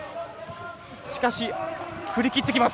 しかし振り切ってきます。